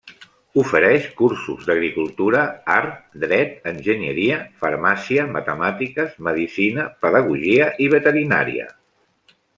Ofereix cursos d'Agricultura, Art, Dret, Enginyeria, Farmàcia, Matemàtiques, Medicina, Pedagogia i Veterinària.